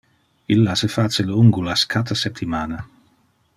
Illa se face le ungulas cata septimana.